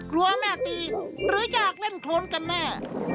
กลัวแม่ตีหรือจะอาจเล่นโครนกันแน่